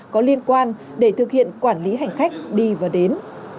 có liên quan để thực hiện quản lý hành khách đi và đến